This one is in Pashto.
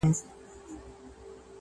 دېوالونه سوري كول كله كمال دئ!!